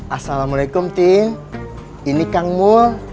assalamualaikum tin ini kangmu